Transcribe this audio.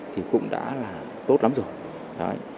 thì cũng đã là tốt lắm rồi